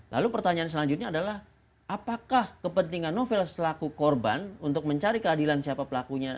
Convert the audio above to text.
lalu pertanyaan selanjutnya adalah apakah kepentingan novel selaku korban untuk mencari keadilan siapa pelakunya